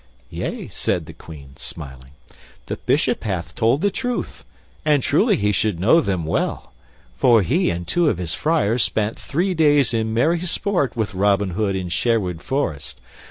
"Yea," said the Queen, smiling, "the Bishop hath told the truth; and truly he should know them well, for he and two of his friars spent three days in merry sport with Robin Hood in Sherwood Forest.